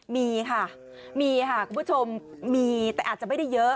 มีค่ะมีค่ะคุณผู้ชมมีแต่อาจจะไม่ได้เยอะ